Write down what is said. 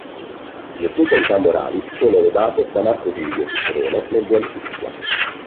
Le sue qualità morali sono lodate da Marco Tullio Cicerone nel "De amicitia".